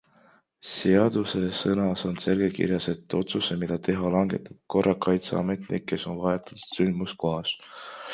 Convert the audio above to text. Seadusesõnas on selgelt kirjas, et otsuse, mida teha, langetab korrakaitseametnik, kes on vahetult sündmuskohas.